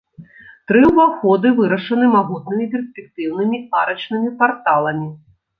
Тры ўваходы вырашаны магутнымі перспектыўнымі арачнымі парталамі.